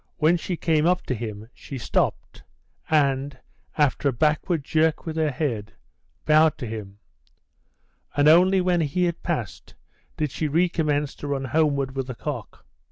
When she came up to him she stopped, and, after a backward jerk with her head, bowed to him; and only when he had passed did she recommence to run homeward with the cock.